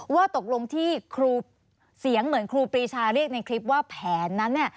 ว่าตกลงที่ครูเสียงเหมือนครูปรีชาเรียกในคลิปว่าแผนนั้นเนี่ย